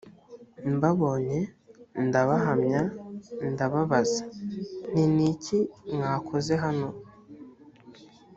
mbabonye ndabahamya ndababaza nti ni iki mwakoze hano‽